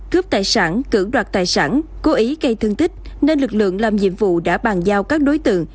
cướp tài sản cưỡng đoạt tài sản cố ý gây thương tích nên lực lượng làm nhiệm vụ đã bàn giao các đối tượng